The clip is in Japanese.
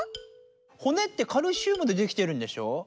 骨ってカルシウムでできてるんでしょ？